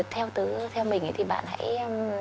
theo mình ấy thì bạn hãy